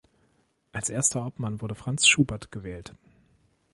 Als erster Obmann wurde "Franz Schubert" gewählt.